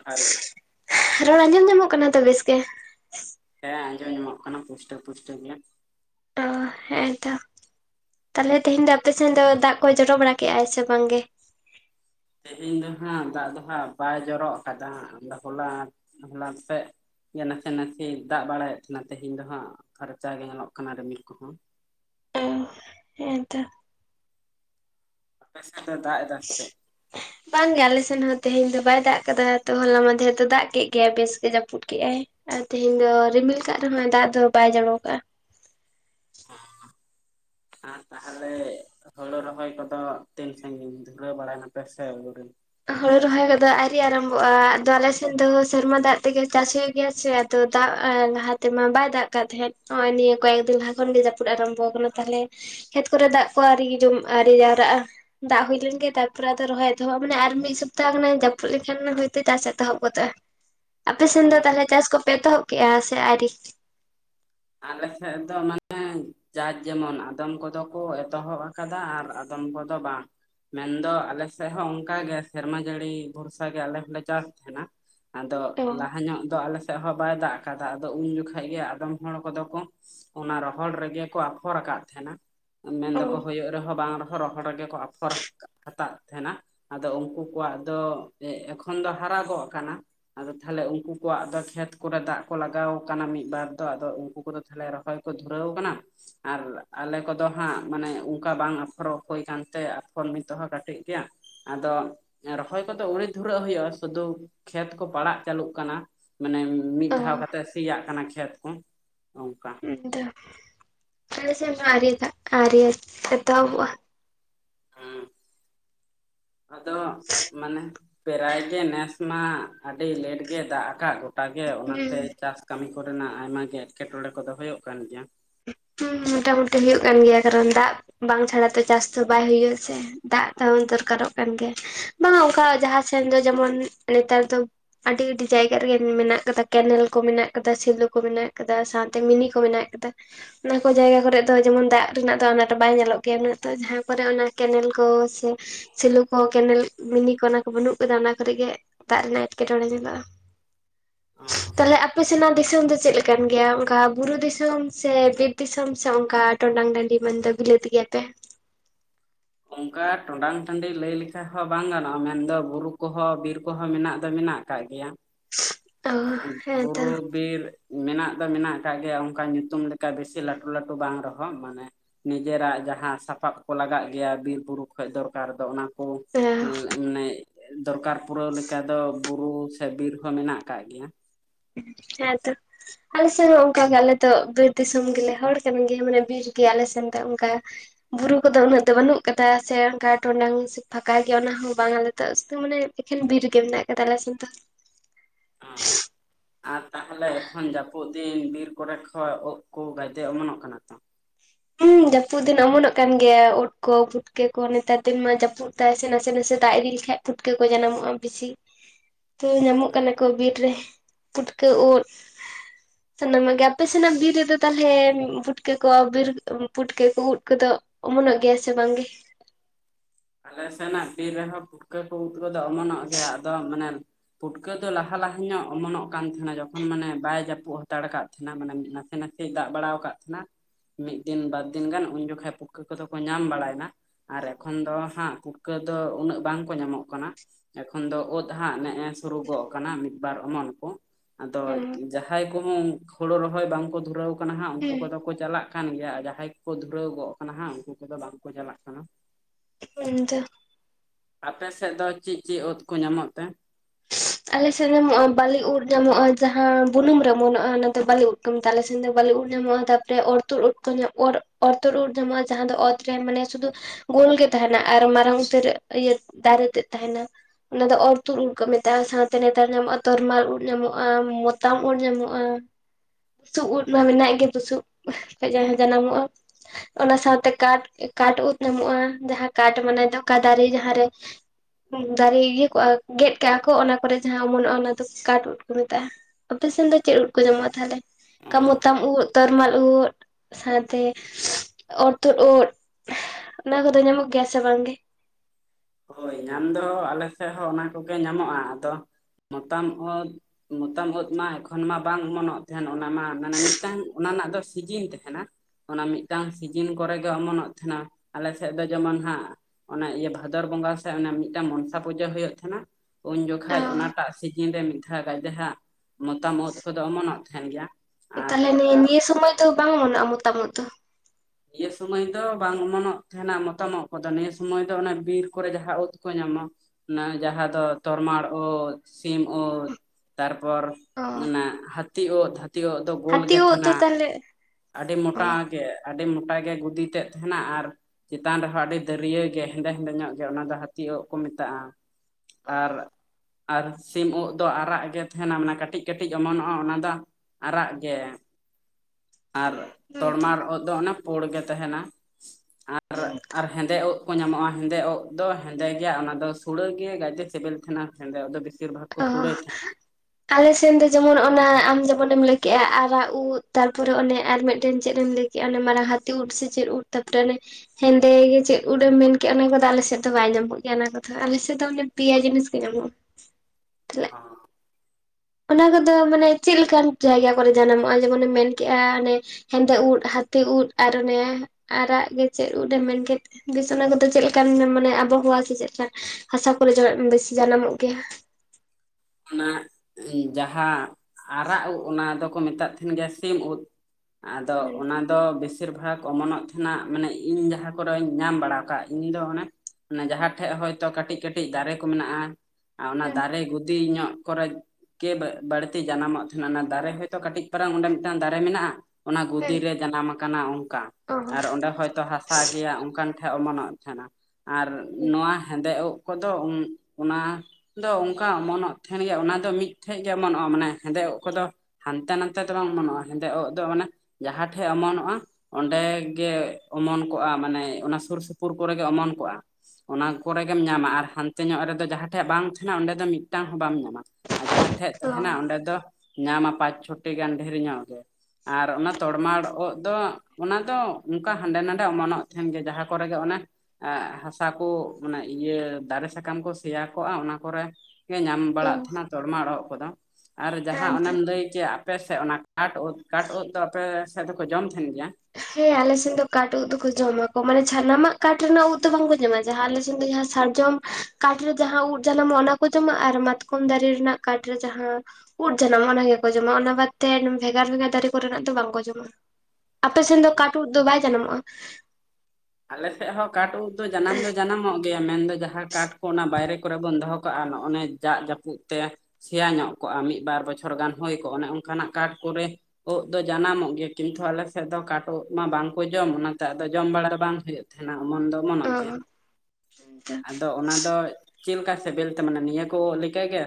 ᱡᱚᱦᱟᱨ ᱜᱮ ᱨᱚᱲ ᱟᱸᱡᱚᱢ ᱧᱟᱢᱚᱜ ᱠᱟᱱᱟ ᱛᱚ ᱵᱮᱥ ᱜᱮ? ᱦᱮᱸ ᱟᱸᱡᱚᱢ ᱧᱟᱢᱚᱜ ᱠᱟᱱᱟ ᱯᱩᱥᱴᱟᱹ ᱯᱩᱥᱴᱟᱹ ᱜᱮ᱾ ᱦᱮᱸᱛᱚ ᱛᱟᱞᱦᱮ ᱛᱮᱦᱮᱧ ᱫᱚ ᱟᱯᱮ ᱥᱮᱫ ᱫᱚ ᱫᱟᱜ ᱠᱚ ᱡᱚᱨᱚ ᱵᱟᱲᱟ ᱠᱮᱜᱟᱭ ᱥᱮ ᱵᱟᱝᱜᱮ? ᱛᱮᱦᱮᱧ ᱫᱚ ᱦᱟᱸᱜ ᱫᱟᱜ ᱫᱚ ᱦᱟᱸᱜ ᱵᱟᱭ ᱡᱚᱨᱚᱜ ᱠᱟᱫᱟ ᱦᱚᱞᱟ ᱦᱚᱞᱟ ᱥᱮᱫ ᱱᱟᱥᱮ ᱱᱟᱥᱮ ᱫᱟᱜ ᱵᱟᱲᱟᱭ ᱮᱫ ᱛᱟᱦᱮᱸᱱᱟ ᱛᱮᱦᱮᱧ ᱫᱚ ᱦᱟᱸᱜ ᱯᱷᱟᱨᱪᱟ ᱜᱮ ᱧᱮᱞᱚᱜ ᱠᱟᱱᱟ ᱨᱤᱢᱤᱞ ᱠᱚᱦᱚᱸ᱾ ᱦᱮᱸ ᱛᱚ ᱟᱯᱮ ᱥᱮᱫ ᱫᱚ ᱫᱟᱜ ᱮᱫᱟ ᱥᱮ ᱪᱮᱫ? ᱵᱟᱝ ᱜᱮ ᱟᱞᱮ ᱥᱮᱱ ᱦᱚᱸ ᱛᱮᱦᱮᱧ ᱫᱚ ᱵᱟᱭ ᱫᱟᱜ ᱠᱟᱫᱟ, ᱛᱚ ᱦᱚᱞᱟ ᱢᱟᱫᱷᱮᱨ ᱫᱚ ᱫᱟᱜ ᱠᱮᱫ ᱜᱮᱭᱟᱭ ᱵᱮᱥ ᱜᱮ ᱡᱟᱹᱯᱩᱫ ᱠᱮᱟᱭ᱾ ᱟᱨ ᱛᱮᱦᱮᱧ ᱫᱚ ᱨᱤᱢᱤᱞ ᱠᱟᱜ ᱨᱮᱦᱚᱸ ᱫᱟᱜ ᱫᱚ ᱵᱟᱭ ᱡᱚᱨᱚ ᱠᱟᱜᱼᱟ᱾ ᱦᱮᱸ ᱛᱟᱦᱟᱞᱮ ᱦᱳᱲᱩ ᱨᱚᱦᱚᱭ ᱠᱚᱫᱚ ᱛᱤᱱ ᱥᱟᱜᱤᱧ ᱫᱷᱩᱨᱟᱹᱣ ᱵᱟᱲᱟᱭ ᱱᱟᱯᱮ ᱥᱮ ᱟᱣᱨᱤ? ᱦᱳᱲᱳ ᱨᱚᱦᱚᱭ ᱠᱚᱫᱚ ᱟᱣᱨᱤ ᱟᱨᱟᱢᱵᱚᱜᱼᱟ ᱟᱫᱚ ᱟᱞᱮᱥᱮᱱ ᱫᱚ ᱥᱮᱨᱢᱟ ᱫᱟᱜ ᱛᱮᱜᱮ ᱪᱟᱥ ᱦᱩᱭᱩᱜ ᱜᱮᱭᱟ ᱥᱮ᱾ ᱛᱚ ᱫᱟᱜ ᱞᱟᱦᱟ ᱛᱮᱢᱟ ᱵᱟᱭ ᱫᱟᱜ ᱠᱟᱜ ᱛᱟᱦᱮᱸᱫ᱾ ᱱᱚᱜᱼᱚᱭ ᱱᱤᱭᱟᱹ ᱠᱚᱭᱮᱠ ᱫᱤᱱ ᱞᱟᱦᱟ ᱠᱷᱚᱱᱜᱮ ᱡᱟᱹᱯᱩᱫ ᱟᱨᱟᱢᱵᱚ ᱠᱟᱱᱟ ᱛᱟᱦᱟᱞᱮ ᱠᱷᱮᱛ ᱠᱚᱨᱮ ᱫᱟᱜ ᱠᱚ ᱟᱣᱨᱤ ᱡᱟᱣᱨᱟᱜᱼᱟ ᱫᱟᱜ ᱦᱩᱭ ᱞᱮᱱᱜᱮ ᱛᱟᱨᱯᱚᱨᱮ ᱟᱫᱚ ᱨᱚᱦᱚᱭ ᱮᱛᱚᱦᱚᱵ᱾ ᱢᱟᱱᱮ ᱟᱨ ᱢᱤᱫ ᱥᱚᱯᱛᱟᱦᱚ ᱜᱟᱱᱮ ᱡᱟᱹᱯᱩᱫ ᱞᱮᱠᱷᱟᱱ ᱦᱚᱭᱛᱳ ᱪᱟᱥ ᱮᱛᱚᱦᱚᱵ ᱜᱚᱫᱚᱜᱼᱟ᱾ ᱟᱯᱮ ᱥᱮᱱ ᱫᱚ ᱚᱱᱟ ᱛᱟᱦᱚᱞᱮ ᱪᱟᱥ ᱠᱚᱯᱮ ᱮᱛᱚᱦᱚᱵ ᱠᱮᱜᱼᱟ ᱥᱮ ᱟᱣᱨᱤ? ᱟᱞᱮ ᱥᱮᱫ ᱫᱚ ᱢᱟᱱᱮ ᱡᱟᱨ ᱡᱮᱢᱚᱱ ᱟᱫᱚᱢ ᱠᱚᱫᱚ ᱠᱚ ᱮᱛᱚᱦᱚᱵ ᱟᱠ ᱠᱟᱫᱟ ᱟᱨ ᱟᱫᱚᱢ ᱜᱚᱫᱚ ᱵᱟᱝ? ᱢᱮᱱᱫᱚ ᱟᱞᱮᱥᱮᱫ ᱦᱚᱸ ᱚᱱᱠᱟᱜᱮ ᱥᱮᱨᱢᱟ ᱡᱟᱹᱲᱤ ᱵᱷᱚᱨᱥᱟ ᱜᱮ ᱟᱞᱮ ᱦᱚᱸᱞᱮ ᱪᱟᱥ ᱛᱟᱦᱮᱸᱱᱟ᱾ ᱟᱫᱚ ᱚ ᱞᱟᱦᱟ ᱧᱚᱜ ᱫᱚ ᱟᱞᱮ ᱥᱮᱜ ᱦᱚᱸ ᱵᱟᱭ ᱫᱟᱜ ᱠᱟᱫᱟ ᱟᱫᱚ ᱩᱱ ᱡᱚᱠᱷᱟᱡ ᱜᱮ ᱟᱫᱚᱢ᱾ ᱦᱚᱲ ᱠᱚᱫᱚ ᱠᱚ ᱚᱱᱟ ᱨᱚᱦᱚᱲ ᱨᱮᱜᱮ ᱠᱚ ᱟᱠᱷᱚᱨ ᱠᱟᱫ ᱛᱟᱦᱮᱸᱱᱟ᱾ ᱢᱮᱱ ᱚ ᱫᱟᱠᱚ ᱦᱳᱜ ᱨᱮᱦᱚᱸ ᱵᱟᱝ ᱨᱮᱦᱚᱸ ᱨᱚᱦᱚᱲ ᱨᱮᱜᱮ ᱠᱚ ᱟᱯᱷᱚᱨ ᱦᱟᱛᱟᱜ ᱛᱟᱦᱮᱸᱱᱟ᱾ ᱟᱫᱚ ᱩᱱᱠᱩ ᱠᱚᱣᱟᱜ ᱫᱚ ᱮᱠᱷᱚᱱ ᱫᱚ ᱦᱟᱨᱟ ᱜᱚᱜ ᱠᱟᱱᱟ᱾ ᱟᱫᱚ ᱛᱟᱦᱚᱞᱮ ᱩᱱᱠᱩ ᱠᱚᱣᱟᱜ ᱫᱚ ᱠᱷᱮᱛ ᱠᱚᱨᱮ ᱫᱟᱜ ᱠᱚ ᱞᱟᱜᱟᱣ ᱠᱟᱱᱟ ᱢᱤᱫᱵᱟᱨ᱾ ᱛᱚ ᱟᱫᱚ ᱩᱱᱠᱩ ᱠᱚᱫᱚ ᱛᱟᱦᱚᱞᱮ ᱨᱚᱦᱚᱭ ᱠᱚ ᱫᱷᱩᱨᱟᱹᱣ ᱠᱟᱱᱟ᱾ ᱟᱨ ᱟᱞᱮ ᱠᱚᱫᱚ ᱦᱟᱸᱜ ᱢᱟᱱᱮ ᱚᱱᱠᱟ ᱵᱟᱝ ᱟᱯᱷᱚᱨᱚᱜ ᱦᱳᱭ ᱠᱟᱱᱛᱮ ᱟᱯᱷᱚᱨ ᱱᱤᱛᱦᱚᱸ ᱠᱟᱹᱴᱤᱡ ᱜᱮᱭᱟ᱾ ᱟᱫᱚ ᱨᱚᱦᱚᱭ ᱠᱚᱫᱚ ᱟᱣᱨᱤ ᱫᱷᱩᱨᱟᱹᱜ ᱦᱩᱭᱩᱜᱼᱟ᱾ ᱥᱩᱫᱩ ᱠᱷᱮᱛ ᱠᱚ ᱯᱟᱲᱟᱜ ᱪᱟᱹᱞᱩᱜ ᱠᱟᱱᱟ ᱢᱟᱱᱮ ᱢᱤᱫ ᱚ ᱫᱷᱟᱣ ᱠᱟᱛᱮᱜ ᱥᱤᱭᱟᱜ ᱠᱟᱱᱟ ᱠᱷᱮᱛ ᱠᱚ ᱚᱱᱠᱟ [inaudible] ᱟᱞᱮ ᱥᱮᱫ ᱢᱟ ᱟᱣᱨᱤ [inaudible] ᱦᱩᱸ ᱟᱫᱚ ᱢᱟᱱᱮ ᱯᱮᱨᱟᱭ ᱜᱮ ᱱᱮᱥ ᱢᱟ ᱟᱹᱰᱤ ᱞᱮᱴ ᱜᱮ ᱫᱟᱜ ᱟᱠᱟᱫ ᱜᱚᱴᱟ ᱜᱮ ᱦᱩᱸ ᱚᱱᱟᱛᱮ ᱪᱟᱥ ᱠᱟᱹᱢᱤ ᱠᱚᱨᱮᱱᱟᱜ ᱟᱭᱢᱟ ᱜᱮ ᱮᱴᱠᱮᱴᱚᱬᱮ ᱠᱚᱫᱚ ᱦᱩᱭᱩᱜ ᱠᱟᱱ ᱜᱮᱭᱟ᱾ ᱦᱩᱸ ᱢᱚᱴᱟ ᱢᱩᱴᱤ ᱦᱳᱭᱳᱜ ᱠᱟᱱ ᱜᱮᱭᱟ ᱠᱟᱨᱚᱱ ᱫᱟᱜ ᱵᱟᱝ ᱪᱷᱟᱲᱟ ᱛᱚ ᱪᱟᱥ ᱫᱚ ᱵᱟᱭ ᱦᱳᱭᱳᱜ ᱟᱥᱮ᱾ ᱫᱟᱜ ᱛᱮᱢᱚᱱ ᱫᱚᱨᱠᱟᱨᱚᱜ ᱠᱟᱱ ᱜᱮᱭᱟ ᱵᱟᱝ ᱚᱱᱠᱟ ᱡᱟᱦᱟᱸ ᱥᱮᱱ ᱫᱚ ᱡᱮᱢᱚᱱ ᱱᱮᱛᱟᱨ ᱫᱚ ᱟᱹᱰᱤ ᱟᱹᱰᱤ ᱡᱟᱭᱜᱟ ᱨᱮᱜᱮ ᱢᱮᱱᱟᱜ ᱠᱟᱫᱟ, ᱠᱮᱱᱮᱞ ᱠᱚ ᱢᱮᱱᱟᱜ ᱠᱟᱫᱟ, ᱥᱮᱞᱳ ᱠᱚ ᱢᱮᱱᱟᱜ ᱠᱟᱫᱟ, ᱥᱟᱶᱛᱮ ᱢᱤᱱᱤ ᱠᱚ ᱢᱮᱱᱟᱜ ᱠᱟᱫᱟ᱾ ᱚᱱᱟ ᱠᱚ ᱡᱟᱭᱜᱟ ᱠᱚᱨᱮᱜ ᱫᱚ ᱡᱮᱢᱚᱱ ᱫᱟᱜ ᱨᱮᱱᱟᱜ ᱫᱚ ᱟᱱᱟᱴ ᱵᱟᱭ ᱧᱮᱞᱚᱜ ᱜᱮᱭᱟ ᱩᱱᱟᱹᱜ ᱛᱚ ᱡᱟᱦᱟᱸ ᱠᱚᱨᱮ ᱚᱱᱟ ᱠᱮᱱᱮᱞ ᱠᱚ ᱥᱮᱞᱳ ᱠᱚ ᱠᱮᱱᱮᱞ ᱢᱤᱱᱤ ᱠᱚ ᱚᱱᱟ ᱠᱚ ᱵᱟᱹᱱᱩᱜ ᱠᱟᱫᱟ, ᱚᱱᱟ ᱠᱚᱨᱮ ᱜᱮ ᱫᱟᱜ ᱨᱮᱱᱟᱜ ᱮᱴᱠᱮᱴᱚᱬᱮ ᱧᱮᱞᱚᱜᱼᱟ᱾ ᱚ ᱛᱟᱦᱟᱮ ᱟᱯᱮ ᱥᱮᱱᱟᱜ ᱫᱤᱥᱚᱢ ᱫᱚ ᱪᱮᱫᱞᱮᱠᱟᱱ ᱜᱮᱭᱟ ᱚᱱᱠᱟ ᱵᱩᱨᱩ ᱫᱤᱥᱚᱢ᱾ ᱥᱮ ᱵᱤᱨ ᱫᱤᱥᱚᱢ ᱥᱮ ᱚᱱᱠᱟ ᱴᱚᱰᱟᱝ ᱰᱟᱺᱰᱤ ᱢᱮᱱᱫᱚ ᱵᱤᱞᱟᱹᱛ ᱜᱮᱭᱟ ᱯᱮ ᱚᱱᱠᱟ ᱴᱚᱸᱰᱟᱝ ᱴᱟᱺᱰᱤ ᱞᱟᱹᱭ ᱞᱮᱠᱷᱟ ᱦᱚᱸ ᱵᱟᱝ ᱜᱟᱱᱚᱜᱼᱟ ᱢᱮᱱᱫᱚ ᱵᱩᱨᱩ ᱠᱚᱦᱚᱸ ᱵᱤᱨ ᱠᱚᱦᱚᱸ ᱢᱮᱱᱟᱜ ᱫᱚ ᱢᱮᱱᱟᱜ ᱠᱟᱜ ᱜᱮᱭᱟ ᱚ ᱦᱮᱸᱛᱚ ᱵᱩᱨᱩ ᱵᱤᱨ ᱢᱮᱱᱟᱜ ᱫᱚ ᱢᱮᱱᱟᱜ ᱠᱟᱜ ᱜᱮᱭᱟ ᱚᱱᱠᱟ ᱧᱩᱛᱩᱢ ᱞᱮᱠᱟ ᱵᱮᱥᱤ ᱞᱟᱹᱴᱩ ᱞᱟᱹᱴᱩ ᱵᱟᱝ ᱨᱮᱦᱚᱸ ᱢᱟᱱᱮ ᱱᱤᱡᱮᱨᱟᱜ ᱡᱟᱦᱟᱸ ᱥᱟᱯᱟᱵ ᱠᱚ ᱞᱟᱜᱟᱜ ᱜᱮᱭᱟ ᱵᱤᱨ ᱵᱩᱨᱩ ᱠᱷᱚᱡ ᱫᱚᱨᱠᱟᱨ ᱫᱚ ᱚᱱᱟ ᱠᱚ ᱢᱟᱱᱮ ᱫᱚᱨᱠᱟᱨ ᱯᱩᱨᱟᱹᱣ ᱞᱮᱠᱟ ᱫᱚ ᱵᱩᱨᱩ ᱥᱮ ᱵᱤᱨ ᱦᱚᱸ ᱢᱮᱱᱟᱜ ᱠᱟᱜ ᱜᱮᱭᱟ ᱦᱮᱸ ᱛᱚ ᱟᱞᱮ ᱥᱮᱱ ᱦᱚᱸ ᱚᱱᱠᱟᱜᱮ ᱟᱞᱮ ᱫᱚ ᱵᱤᱨ ᱫᱤᱥᱚᱢ ᱜᱮᱞᱮ ᱦᱚᱲ ᱠᱟᱱ ᱜᱮᱭᱟ ᱢᱟᱱᱮ ᱵᱤᱨ ᱜᱮ ᱟᱞᱮ ᱥᱮᱱ ᱫᱚ ᱚᱱᱠᱟ ᱵᱩᱨᱩ ᱠᱚᱫᱚ ᱩᱱᱟᱹᱜ ᱫᱚ ᱵᱟᱹᱱᱩᱜ ᱠᱟᱫᱟ ᱥᱮ ᱚᱱᱠᱟ ᱴᱚᱰᱟᱝ ᱯᱷᱟᱸᱠᱟ ᱜᱮᱭᱟ ᱚᱱᱟ ᱦᱚᱸ ᱵᱟᱝ ᱟᱞᱮ ᱛᱚ ᱥᱩᱫᱩ ᱢᱟᱱᱮ ᱮᱠᱷᱮᱱ ᱵᱤᱨ ᱜᱮ ᱢᱮᱱᱟᱜ ᱠᱟᱫᱟ ᱟᱞᱮ ᱥᱮᱫ ᱫᱚ ᱟᱨ ᱛᱟᱦᱚᱞᱮ ᱮᱠᱷᱚᱱ ᱡᱟᱹᱯᱩᱫ ᱫᱤᱱ ᱵᱤᱨ ᱠᱚᱨᱮ ᱠᱷᱚᱡ ᱳᱜ ᱠᱚ ᱜᱟᱛᱮ ᱚᱢᱚᱱᱚᱜ ᱠᱟᱱᱟ ᱛᱚ ᱦᱩᱸ ᱡᱟᱹᱯᱩᱫ ᱫᱤᱱ ᱚᱢᱚᱱᱚᱜ ᱠᱟᱱ ᱜᱮᱭᱟ ᱳᱫ ᱠᱚ ᱯᱷᱩᱴᱟᱹ ᱠᱚ ᱱᱮᱛᱟᱨ ᱫᱤᱱ ᱢᱟ ᱡᱟᱹᱯᱩᱫ [unintelligible] ᱥᱮ ᱱᱟᱥᱮ ᱱᱟᱥᱮ ᱫᱟᱜ ᱤᱫᱤ ᱞᱮᱠᱷᱟᱡ ᱯᱷᱩᱴᱠᱟᱹ ᱠᱚ ᱡᱟᱱᱟᱢᱚᱜᱼᱟ ᱵᱤᱥᱤ ᱛᱮ ᱧᱟᱢᱚᱜ ᱠᱟᱱᱟ ᱠᱚ ᱵᱤᱨ ᱨᱮ ᱯᱩᱴᱠᱟᱹ ᱳᱫ ᱥᱟᱱᱟᱢᱟᱜ ᱜᱮ ᱟᱯᱮ ᱥᱮᱱᱟᱜ ᱵᱤᱨ ᱨᱮᱫᱚ ᱛᱟᱦᱚᱞᱮ ᱯᱩᱴᱠᱟᱹ ᱠᱚ ᱵᱤᱨ ᱯᱩᱴᱠᱟᱹ ᱠᱚ ᱩᱫ ᱠᱚᱫᱚ ᱚᱢᱚᱱᱚᱜ ᱜᱮᱭᱟ ᱥᱮ ᱵᱟᱝ ᱜᱮ ᱟᱞᱮ ᱥᱮᱱᱟᱜ ᱵᱤᱨ ᱨᱮᱦᱚᱸ ᱯᱷᱩᱴᱠᱟᱹ ᱠᱚ ᱩᱫ ᱠᱚᱫᱚ ᱚᱢᱚᱱᱚᱜ ᱜᱮᱭᱟ ᱟᱫᱚ ᱢᱟᱱᱮ ᱯᱩᱴᱠᱟᱹ ᱫᱚ ᱞᱟᱦᱟ ᱞᱟᱦᱟ ᱧᱚᱜ ᱚᱢᱚᱱᱚᱜ ᱠᱟᱱ ᱛᱟᱦᱮᱱᱟ ᱡᱚᱠᱷᱚᱱ ᱢᱟᱱᱮ ᱵᱟᱭ ᱡᱟᱹᱯᱩᱫ ᱦᱟᱛᱟᱲ ᱠᱟᱫ ᱱᱟ ᱢᱟᱱᱮ ᱱᱟᱥᱮ ᱱᱟᱥᱮ ᱫᱟᱜ ᱵᱟᱲᱟᱣ ᱠᱟᱫ ᱛᱟᱦᱮᱱᱟ ᱢᱤᱫ ᱫᱤᱱ ᱵᱟᱨ ᱫᱤᱱ ᱜᱟᱱ ᱩᱱ ᱡᱚᱠᱷᱟᱡ ᱯᱩᱴᱠᱟᱹ ᱠᱚᱫᱚ ᱠᱚ ᱧᱟᱢ ᱵᱟᱲᱟᱭᱱᱟ ᱟᱨ ᱮᱠᱷᱚᱱ ᱫᱚ ᱦᱟᱸᱜ ᱯᱩᱴᱠᱟᱹ ᱫᱚ ᱩᱱᱟᱹᱜ ᱵᱟᱝ ᱠᱚ ᱧᱟᱢᱚᱜ ᱠᱟᱱᱟ ᱮᱠᱷᱚᱱ ᱫᱚ ᱳᱫ ᱦᱟᱸᱜ ᱱᱮᱜᱮ ᱥᱩᱨᱩᱜᱚᱜ ᱠᱟᱱᱟ ᱢᱤᱫ ᱵᱟᱨ ᱚᱢᱚᱱ ᱠᱚ ᱟᱫᱚ ᱡᱟᱦᱟᱸᱭ ᱠᱚᱦᱚᱸ ᱦᱳᱲᱳ ᱨᱚᱦᱚᱭ ᱵᱟᱝ ᱠᱚ ᱫᱷᱩᱨᱟᱹᱣ ᱠᱟᱱᱟ ᱦᱟᱸᱜ ᱩᱱᱠᱩ ᱠᱚᱫᱚ ᱠᱚ ᱪᱟᱞᱟᱜ ᱠᱟᱱ ᱜᱮᱭᱟ ᱟᱨ ᱡᱟᱦᱟᱸᱭ ᱠᱚᱠᱚ ᱫᱷᱩᱨᱟᱹᱣ ᱜᱚᱜ ᱠᱟᱱᱟ ᱦᱟᱸᱜ ᱩᱱᱠᱩ ᱠᱚᱫᱚ ᱵᱟᱝᱠᱚ ᱪᱟᱞᱟᱜ ᱠᱟᱱᱟ ᱢᱮᱱ ᱫᱚ ᱟᱯᱮ ᱥᱮᱫ ᱫᱚ ᱪᱮᱫ ᱪᱮᱫ ᱳᱫ ᱠᱚ ᱧᱟᱢᱚᱜ ᱛᱮ [inaudible] ᱟᱞᱮ ᱥᱮᱫ ᱧᱟᱢᱚᱜᱼᱟ ᱵᱟᱹᱞᱤ ᱩᱫ ᱧᱟᱢᱚᱜᱼᱟ ᱡᱟᱦᱟᱸ ᱵᱩᱱᱩᱢ ᱨᱮ ᱚᱢᱚᱱᱚᱜᱼᱟ ᱚᱱᱟ ᱫᱚ ᱵᱟᱹᱞᱤ ᱩᱫ ᱛᱟᱦᱚᱞᱮ ᱥᱮᱱ ᱫᱚ ᱵᱟᱹᱞᱤ ᱩᱨ ᱧᱟᱢᱚᱜᱼᱟ ᱛᱟᱯᱚᱨᱮ ᱚᱨ ᱛᱩᱫ ᱩᱫ ᱧᱟᱢᱚᱜ ᱚᱨ ᱛᱩᱨ ᱩᱨ ᱧᱟᱢᱚᱜᱼᱟ ᱡᱟᱦᱟᱸ ᱫᱚ ᱚᱛ ᱨᱮ ᱢᱟᱱᱮ ᱥᱩᱫᱷᱩ ᱾ ᱜᱳᱞ ᱜᱮ ᱛᱟᱦᱮᱱᱟ ᱟᱨ ᱢᱟᱨᱟᱝ ᱩᱛᱟᱹᱨ ᱤᱭᱟᱹ ᱫᱟᱨᱮᱛᱮ ᱛᱟᱦᱮᱱᱟ ᱚᱱᱟ ᱫᱚ ᱚᱨ ᱛᱩᱫ ᱠᱚ ᱢᱮᱛᱟᱜᱼᱟ ᱥᱟᱶᱛᱮ ᱱᱮᱛᱟᱨ ᱧᱟᱢᱚᱜᱼᱟ ᱛᱚᱨᱢᱟᱞ ᱩᱫ ᱧᱟᱢᱚᱜᱼᱟ ᱢᱚᱛᱟᱢ ᱩᱫ ᱧᱟᱢᱚᱜᱼᱟ ᱾ ᱵᱩᱥᱩᱵ ᱩᱫ ᱢᱟ ᱢᱮᱱᱟᱜ ᱜᱮ ᱵᱩᱥᱩᱵ ᱠᱷᱚᱱ ᱡᱟᱦᱟᱸ ᱡᱟᱱᱟᱢᱚᱜᱼᱟ ᱾ ᱚᱱᱟ ᱥᱟᱶᱛᱮ ᱠᱟᱴ ᱠᱟᱴ ᱩᱫ ᱧᱟᱢᱚᱜᱼᱟ ᱡᱟᱦᱟᱸ ᱠᱟᱴᱷ ᱢᱟᱱᱮ ᱫᱫᱚᱠᱟ ᱫᱟᱨᱮ ᱡᱟᱦᱟᱸᱨᱮ ᱾ ᱫᱟᱨᱮ ᱤᱭᱟᱹ ᱠᱚᱜᱼᱟ ᱜᱮᱫ ᱪᱤᱠᱟᱜ ᱟᱠᱚ ᱚᱱᱟ ᱠᱚᱨᱮ ᱡᱟᱦᱟᱸ ᱚᱢᱚᱱᱚᱜᱼᱟ ᱚᱱᱟ ᱫᱚ ᱠᱟᱴ ᱩᱴ ᱠᱚ ᱢᱮᱛᱟᱜᱼᱟ ᱚᱯᱟᱨᱮᱥᱚᱱ ᱫᱚ ᱪᱮᱫ ᱩᱫ ᱠᱚ ᱧᱟᱢᱚᱜᱼᱟ ᱛᱟᱦᱚᱞᱮ ᱾ ᱠᱟ ᱢᱚᱛᱟᱢ ᱩ ᱫᱛᱚᱨᱢᱟᱞ ᱩᱛ ᱥᱟᱶᱛᱮ ᱚᱨ ᱩᱫ ᱫ ᱚᱱᱟ ᱠᱚᱫᱚ ᱧᱟᱢᱚᱜ ᱜᱮᱭᱟ ᱥᱮ ᱵᱟᱝ ᱜᱮ ᱦᱳᱭ ᱧᱟᱢ ᱫᱚ ᱟᱞᱮ ᱥᱮᱫ ᱦᱚᱸ ᱚᱱᱟ ᱠᱚᱜᱮ ᱧᱟᱢᱚᱜ-ᱟ ᱟᱫᱚ ᱢᱚᱛᱟᱢ ᱳᱫ ᱢᱚᱛᱟᱢ ᱩᱫ ᱢᱟ ᱮᱠᱷᱚᱱ ᱢᱟ ᱵᱟᱝ ᱚᱢᱚᱱᱚᱜ ᱛᱟᱦᱮᱱ ᱚᱱᱟ ᱢᱟ ᱢᱟᱱᱮ ᱢᱤᱫᱴᱟᱝ ᱚᱱᱟ ᱨᱮᱱᱟᱜ ᱫᱚ ᱥᱤᱡᱤᱱ ᱛᱟᱦᱮᱱᱟ ᱚᱱᱟ ᱢᱤᱫᱴᱟᱝ ᱥᱤᱡᱤᱱ ᱠᱚᱨᱮᱜ ᱜᱮ ᱚᱢᱚᱱᱚᱜ ᱛᱟᱦᱮᱱᱟ ᱟᱞᱮ ᱥᱮᱫ ᱫᱚ ᱡᱮᱢᱚᱱ ᱦᱟᱸᱜ ᱚᱱᱮ ᱤᱭᱟᱹ ᱵᱷᱟᱫᱚᱨ ᱵᱚᱸᱜᱟ ᱥᱮ ᱢᱤᱫᱴᱟᱝ ᱢᱚᱱᱥᱟ ᱯᱩᱡᱟᱹ ᱦᱳᱭᱳᱜ ᱛᱟᱦᱮᱸᱱᱟ ᱩᱱ ᱡᱚᱠᱷᱟᱡ ᱚᱱᱟᱴᱟᱜ ᱫᱤᱱ ᱨᱮ ᱢᱤᱫ ᱫᱷᱟᱣ ᱜᱟᱡ ᱫᱚ ᱡᱟᱦᱟᱸᱜ ᱢᱚᱛᱟᱢ ᱳᱫ ᱠᱚᱫᱚ ᱚᱢᱚᱱᱚᱜ ᱛᱟᱦᱮᱱ ᱜᱮᱭᱟ ᱟᱨ ᱛᱟᱦᱚᱞᱮ ᱱᱤᱭᱟᱹ ᱥᱚᱢᱚᱭ ᱫᱚ ᱵᱟᱝ ᱚᱢᱚᱱ ᱱᱚᱣᱟ ᱢᱚᱛᱟᱢ ᱩᱫ ᱫᱚ ᱾ ᱱᱤᱭᱟᱹ ᱥᱩᱢᱚᱭ ᱫᱚ ᱵᱟᱝ ᱚᱢᱚᱱᱚᱜ ᱛᱟᱦᱮᱱᱟ ᱢᱚᱛᱟᱢᱚ ᱩᱫ ᱠᱚᱫᱚ ᱱᱤᱭᱟᱹ ᱥᱚᱢᱚᱭ ᱫᱚ ᱚᱱᱟ ᱵᱤᱨ ᱠᱚᱨᱮ ᱡᱟᱦᱟᱸ ᱩᱫ ᱠᱚ ᱧᱟᱢᱚᱜ ᱾ ᱚᱱᱟ ᱡᱟᱦᱟᱸ ᱫᱚ ᱛᱚᱨᱢᱟᱨ ᱩᱫ, ᱥᱤᱢ ᱩᱫ, ᱛᱟᱨᱯᱚᱨ ᱚ ᱚᱱᱟ ᱦᱟᱹᱛᱤ ᱚᱛ ᱦᱟᱹᱛᱤ ᱚᱛ ᱫᱚ ᱜᱳᱞ ᱦᱟᱹᱛᱤ ᱜᱮ ᱛᱟᱦᱮᱱᱟ ᱵᱚᱛᱚᱨ ᱛᱟᱦᱚᱞᱮ ᱟᱹᱰᱤ ᱚ ᱢᱚᱴᱟ ᱜᱮ ᱟᱹᱰᱤ ᱢᱚᱴᱟ ᱜᱮ ᱜᱚᱫᱤᱛᱮ ᱛᱟᱦᱮᱱᱟ ᱟᱨ ᱾ ᱪᱮᱛᱟᱱ ᱨᱮᱦᱚᱸ ᱟᱹᱰᱤ ᱫᱟᱹᱨᱭᱟᱹᱜ ᱜᱮ ᱦᱮᱸᱫᱮ ᱦᱮᱸᱫᱮ ᱧᱚᱜ ᱜᱮ ᱚᱱᱟ ᱫᱚ ᱦᱟᱹᱛᱤ ᱳᱫ ᱠᱚ ᱢᱮᱛᱟᱜ-ᱟ ᱾ ᱟᱨ ᱟᱨ ᱥᱤᱢ ᱩᱵ ᱫᱚ ᱟᱨᱟᱜ ᱜᱮ ᱛᱟᱦᱮᱱᱟ, ᱢᱟᱱᱮ ᱠᱟᱹᱴᱤᱡ ᱠᱟᱹᱴᱤᱡ ᱚᱢᱚᱱᱚᱜ-ᱟ ᱚᱱᱟ ᱫᱚ ᱟᱨᱟᱜ ᱜᱮ ᱾ ᱟᱨ ᱦᱩᱸ ᱛᱚ ᱛᱚᱲᱢᱟᱨ ᱩᱫ ᱫᱚ ᱚᱱᱮ ᱯᱩᱲ ᱜᱮ ᱛᱟᱦᱮᱱᱟ ᱟᱨ ᱦᱩᱸ ᱟᱨ ᱦᱮᱸᱫᱮ ᱠᱚ ᱧᱟᱢᱚᱜ-ᱟ ᱦᱮᱸᱫᱮ ᱚᱜ ᱫᱚ ᱦᱮᱸᱫᱮ ᱜᱮᱭᱟ ᱚᱱᱟ ᱫᱚ ᱥᱩᱲᱟᱹ ᱜᱮᱭᱟ ᱜᱟᱡᱮ ᱥᱤᱵᱤᱞ ᱛᱟᱦᱮᱱᱟ ᱦᱮᱸᱫᱮ ᱚᱚᱜ ᱫᱚ ᱵᱮᱥᱤᱨ ᱵᱷᱟᱜᱽ ᱾ ᱠᱩ ᱚ ᱥᱚᱲᱮ ᱛᱟᱦᱮᱱᱟ ᱟᱞᱮ ᱥᱮᱱ ᱫᱚ ᱡᱮᱢᱚᱱ ᱚᱱᱟ ᱟᱢ ᱡᱮᱢᱚᱱᱮᱢ ᱞᱟᱹᱭ ᱠᱮᱜ-ᱟ ᱟᱨᱟᱜ ᱩᱫ ᱛᱟᱨᱯᱚᱨᱮ ᱚᱱᱮ ᱟᱨ ᱢᱤᱫᱴᱮᱱ ᱪᱮᱫ ᱮᱢ ᱞᱟᱹᱭ ᱠᱮᱫᱟ ᱾ ᱪᱮᱫ ᱚᱱᱟ ᱢᱟᱨᱟ ᱦᱟᱹᱛᱤ ᱩᱫ ᱥᱮ ᱪᱮᱫ ᱩᱫ ᱛᱟᱯᱟᱨᱮ ᱦᱮᱸᱫᱮ ᱜᱮ ᱪᱮᱫ ᱩᱫ ᱮᱢ ᱢᱮᱱᱠᱮᱜ-ᱟ ᱚᱱᱟ ᱠᱚᱫᱚ ᱟᱞᱮ ᱥᱮᱫ ᱫᱚ ᱵᱟᱭ ᱧᱟᱢᱚᱜ ᱜᱮᱭᱟ, ᱚᱱᱟ ᱠᱚᱫᱚ ᱟᱞᱮ ᱥᱮᱫ ᱫᱚ ᱚᱱᱮ ᱯᱮᱭᱟ ᱡᱤᱱᱤᱥ ᱜᱮ ᱧᱟᱢᱚᱜ-ᱟ ᱾ ᱚ ᱾ ᱚᱱᱟ ᱠᱚᱫᱚ ᱢᱟᱱᱮ ᱪᱮᱫ ᱞᱮᱠᱟᱱ ᱡᱟᱭᱜᱟ ᱠᱚᱨᱮ ᱡᱟᱱᱟᱢᱚᱜ-ᱟ? ᱡᱮᱢᱚᱱᱮᱢ ᱢᱮᱱᱠᱮᱜ-ᱟ ᱚᱱᱮ ᱾ ᱦᱮᱸᱫᱮ ᱩᱫ, ᱦᱟᱹᱛᱤ ᱩᱫ ᱟᱨ ᱚᱱᱮ ᱟᱨᱟᱜ ᱜᱮ ᱪᱮᱫ ᱩᱫ ᱮᱢ ᱢᱮᱱᱠᱮᱫ ᱾ ᱵᱮᱥ ᱚᱱᱟ ᱠᱚᱫᱚ ᱪᱮᱫ ᱞᱮᱠᱟᱱ? ᱢᱟᱱᱮ ᱟᱵᱚᱦᱟᱣᱟ ᱥᱮ ᱪᱮᱫᱞᱠᱟᱱ ᱦᱟᱥᱟ ᱠᱚᱨᱮ ᱵᱮᱥᱤ ᱡᱟᱱᱟᱢᱚᱜ ᱜᱮᱭᱟ? ᱚᱱᱟ ᱡᱟᱦᱟᱸ ᱟᱨᱟᱜ ᱩᱫ ᱚᱱᱟ ᱫᱚᱠᱚ ᱢᱮᱛᱟᱜ ᱛᱟᱦᱮᱱ ᱜᱮᱭᱟ ᱥᱤᱢ ᱩᱫ ᱾ ᱟᱫᱚ ᱦᱩᱸ ᱚᱱᱟ ᱫᱚ ᱵᱮᱥᱤᱨ ᱵᱷᱟᱜᱽ ᱚᱢᱚᱱᱚᱜ ᱛᱟᱦᱮᱱᱟ ᱢᱟᱱᱮ ᱤᱧ ᱡᱟᱦᱟᱸ ᱠᱚᱨᱮᱧ ᱧᱟᱢ ᱵᱟᱲᱟ ᱟᱠᱟᱫ ᱤᱧ ᱫᱚ ᱚᱱᱮ ᱢᱚᱱᱮ ᱡᱟᱦᱟᱸᱴᱷᱮᱡ ᱦᱚᱭᱛᱚ ᱠᱟᱹᱴᱤᱡ ᱠᱟᱹᱴᱤᱡ ᱫᱟᱨᱮ ᱠᱚ ᱢᱮᱱᱟᱜ-ᱟ ᱟᱨ ᱚᱱᱟ ᱦᱩᱸ ᱫᱟᱨᱮ ᱜᱚᱫᱤ ᱧᱚᱜ ᱠᱚᱨᱮ ᱾ ᱠᱮ ᱵᱟᱹᱲᱛᱤ ᱡᱟᱱᱟᱢᱚᱜ ᱛᱟᱦᱮᱱᱟ ᱚᱱᱟ ᱫᱟᱨᱮ ᱦᱚᱭᱛᱳ ᱠᱟᱹᱴᱤᱡ ᱯᱟᱨᱟ ᱚᱸᱰᱮ ᱢᱤᱫᱴᱟᱝ ᱫᱟᱨᱮ ᱢᱮᱱᱟᱜ-ᱟ ᱾ ᱚᱱᱟ ᱦᱩᱸ ᱜᱩᱫᱤ ᱨᱮ ᱡᱟᱱᱟᱢ ᱟᱠᱟᱱᱟ ᱾ ᱚᱱᱠᱟ ᱚ ᱟᱨ ᱦᱚᱸ ᱚᱸᱰᱮ ᱦᱚᱭᱛᱚ ᱦᱟᱥᱟ ᱦᱟᱥᱟ ᱜᱮᱭᱟ ᱚᱱᱠᱟᱱ ᱴᱷᱮᱱ ᱚᱢᱚᱱᱚᱜ ᱛᱟᱦᱮᱱᱟ ᱟᱨ ᱱᱚᱣᱟ ᱦᱮᱸᱫᱮ ᱩᱫ ᱠᱚᱫᱚ ᱚᱱᱟ ᱫᱚ ᱚᱱᱠᱟ ᱚᱢᱚᱱᱚᱜ ᱛᱟᱦᱮᱱ ᱜᱮᱭᱟ ᱚᱱᱟ ᱫᱚ ᱢᱤᱫᱴᱷᱮᱡ ᱜᱮ ᱚᱢᱚᱱᱚᱜ-ᱟ ᱢᱟᱱᱮ ᱦᱮᱸᱫᱮ ᱩᱫ ᱠᱚᱫᱚ ᱾ ᱦᱟᱱᱛᱮ ᱱᱟᱛᱮ ᱫᱚ ᱵᱟᱝ ᱚᱢᱚᱱᱚᱜ-ᱟ, ᱦᱮᱸᱫᱮ ᱩᱫ ᱫᱚ ᱚᱱᱟ ᱡᱟᱦᱟᱸ ᱴᱷᱮᱡ ᱚᱢᱚᱱᱚᱜ-ᱟ ᱚᱸᱰᱮ ᱜᱮ ᱚᱢᱚᱱ ᱠᱚᱜ-ᱟ ᱢᱟᱱᱮ ᱚᱱᱟ ᱥᱩᱨ ᱥᱩᱯᱩᱨ ᱠᱚᱨᱮ ᱜᱮ ᱚᱢᱚᱱ ᱠᱚᱜ-ᱟ ᱾ ᱚᱱᱟ ᱠᱚᱨᱮ ᱜᱮᱢ ᱧᱟᱢᱟ ᱟᱨ ᱦᱟᱱᱛᱮ ᱧᱚᱜ ᱨᱮᱫᱚ ᱡᱟᱦᱟᱸ ᱴᱷᱮᱡ ᱵᱟᱝ ᱛᱟᱦᱮᱱᱟ ᱚᱸᱰᱮ ᱢᱤᱫᱴᱟᱝ ᱦᱚᱸ ᱵᱟᱢ ᱧᱟᱢᱟ ᱟᱨ ᱡᱟᱦᱟᱸ ᱴᱷᱮᱡ ᱚ ᱦᱚ ᱛᱟᱦᱮᱱᱟ ᱚᱸᱰᱮ ᱫᱚ ᱧᱟᱢᱟ ᱯᱟᱸᱪ ᱪᱷᱚᱴᱤ ᱜᱟᱱ ᱰᱷᱮᱨ ᱧᱚᱜ ᱜᱮ ᱾ ᱟᱨ ᱚᱱᱟ ᱛᱚᱲᱢᱟᱲ ᱩᱫ ᱫᱚ ᱚᱱᱟ ᱫᱚ ᱚᱱᱠᱟ ᱦᱟᱸᱰᱮ ᱱᱟᱰᱮ ᱚᱢᱚᱱᱚᱜ ᱛᱟᱦᱮᱱ ᱜᱮ ᱡᱟᱦᱟᱸ ᱠᱚᱨᱮ ᱜᱮ ᱚᱱᱟ ᱮᱜ ᱦᱟᱥᱟ ᱠᱚ ᱚᱱᱮ ᱤᱭᱟᱹ ᱫᱟᱨᱮ ᱥᱟᱠᱟᱢ ᱠᱚ ᱥᱮᱭᱟ ᱠᱚᱜᱼᱟ ᱚᱱᱟ ᱠᱚᱨᱮ ᱜᱮ ᱧᱟᱢ ᱵᱟᱲᱟᱜ ᱦᱩᱸ ᱛᱟᱦᱮᱱᱟ ᱛᱚᱲᱢᱟ ᱚᱜ ᱠᱚᱫᱚ ᱟᱨ ᱡᱟᱦᱟᱸ ᱦᱮᱸᱛᱚ ᱚᱱᱟᱢ ᱞᱟᱹᱭ ᱠᱮᱜ ᱟᱯᱮᱥᱮᱫ ᱚᱱᱟ ᱠᱟᱴ ᱳᱫ ᱠᱟᱴ ᱳᱫ ᱫᱚ ᱟᱯᱮ ᱥᱮᱫ ᱫᱚᱠᱚ ᱡᱚᱢ ᱛᱟᱦᱮᱸᱱ ᱜᱮᱭᱟ ᱦᱮᱸ ᱟᱞᱮᱥᱱ ᱫᱚ ᱠᱟᱴ ᱳᱫ ᱫᱚᱠᱚ ᱡᱚᱢᱟ ᱠᱚ ᱢᱟᱱᱮ ᱥᱟᱱᱟᱢᱟᱜ ᱠᱟᱴ ᱨᱮᱱᱟᱜ ᱳᱫ ᱫᱚ ᱵᱟᱝᱠᱚ ᱡᱚᱢᱟ ᱡᱟᱦᱟᱸ ᱟᱞᱮ ᱥᱮᱱ ᱫᱚ ᱡᱟᱦᱟᱸ ᱥᱟᱨᱡᱚᱢ ᱠᱟᱴᱷ ᱨᱮ ᱡᱟᱦᱟᱸ ᱩᱫ ᱡᱟᱱᱟᱢᱚᱜᱼᱟ ᱚᱱᱟ ᱠᱚ ᱡᱚᱢᱟ ᱟᱨ ᱢᱟᱛᱠᱚᱢ ᱫᱟᱨᱮ ᱨᱮᱱᱟᱜ ᱠᱟᱴ ᱨᱮ ᱡᱟᱦᱟᱸ ᱩᱫ ᱡᱟᱱᱟᱢᱚᱜᱼᱟ ᱚᱱᱟ ᱜᱮᱠᱚ ᱡᱚᱢᱟ ᱚᱱᱟ ᱵᱟᱫ ᱛᱮ ᱵᱷᱮᱜᱟᱨ ᱵᱷᱮᱜᱟᱨ ᱫᱟᱨᱮ ᱠᱚᱨᱮᱱᱟᱜ ᱫᱚ ᱵᱟᱝᱠᱚ ᱡᱚᱢᱟ ᱟᱯᱮ ᱥᱮᱱ ᱫᱚ ᱠᱟᱴ ᱩᱫ ᱫᱚ ᱵᱟᱭ ᱡᱟᱱᱟᱢᱚᱜᱼᱟ? ᱟᱞᱮᱥᱮᱫ ᱦᱚᱸ ᱠᱟᱴ ᱳᱫ ᱫᱚ ᱡᱟᱱᱟᱢ ᱫᱚ ᱡᱟᱱᱟᱢᱚᱜ ᱭᱟ ᱢᱮᱱᱫᱚ ᱡᱟᱦᱟᱸ ᱠᱟᱴ ᱠᱚ ᱚᱱᱟ ᱵᱟᱭᱨᱮ ᱠᱚᱨᱮ ᱵᱚᱱ ᱫᱚᱦᱚ ᱠᱟᱜᱼᱟ ᱱᱚᱜᱼᱱᱚᱭ ᱡᱟᱜ ᱡᱟᱹᱯᱩᱫ ᱛᱮ ᱥᱮᱭᱟ ᱧᱚᱜ ᱠᱚᱜᱼᱟ ᱢᱤᱫ ᱵᱟᱨ ᱵᱚᱪᱷᱚᱨ ᱜᱟᱱ ᱦᱳᱭ ᱠᱚᱜᱼᱟ ᱚᱱᱮ ᱚᱱᱠᱟᱱᱟᱜ ᱠᱟᱴ ᱠᱚᱨᱮ ᱩᱫ ᱫᱚ ᱡᱟᱱᱟᱢᱚᱜ ᱜᱮᱭᱟ, ᱠᱤᱱᱛᱩ ᱟᱞᱮ ᱥᱮᱫ ᱫᱚ ᱠᱟᱴ ᱩᱫ ᱢᱟ ᱵᱟᱝᱠᱚ ᱡᱚᱢ, ᱚᱱᱟᱛᱮ ᱟᱫᱚ ᱡᱚᱢ ᱵᱟᱲᱟ ᱵᱟᱝ ᱦᱩᱭᱩᱜ ᱛᱟᱦᱮᱱᱟ ᱚᱢᱚᱱ ᱫᱚ ᱚᱢᱚᱱᱚᱜ ᱜᱮᱭᱟ, ᱟᱫᱚ ᱚᱱᱟ ᱫᱚ ᱪᱮᱫ ᱞᱮᱠᱟ ᱥᱮᱵᱤᱞ ᱛᱮ ᱢᱟᱱᱮ ᱱᱤᱭᱟᱹ ᱠᱚ ᱞᱮ ᱞᱮᱠᱟ ᱜᱮ?